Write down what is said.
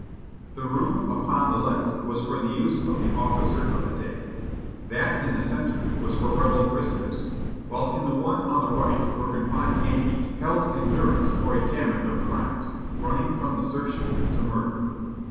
The room upon the left was RECAPTURED 481 for the use of the officer of the day; that in the center was for Rebel prisoners, while in the one on the right were confined Yankees held in durance for a gamut of crimes, running from de sertion to murder.